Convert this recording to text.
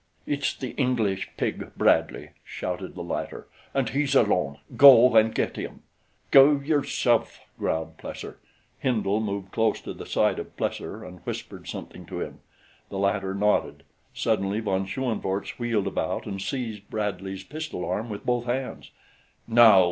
"It's the English pig, Bradley," shouted the latter, "and he's alone go and get him!" "Go yourself," growled Plesser. Hindle moved close to the side of Plesser and whispered something to him. The latter nodded. Suddenly von Schoenvorts wheeled about and seized Bradley's pistol arm with both hands, "Now!"